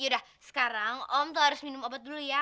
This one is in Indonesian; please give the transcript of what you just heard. yaudah sekarang om tuh harus minum obat dulu ya